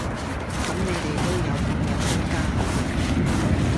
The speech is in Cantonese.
咁你哋都有半日補假呀